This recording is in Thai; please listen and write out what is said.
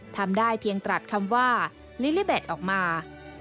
ทำได้เพียงตรัสคำว่าลิลิแบตออกมา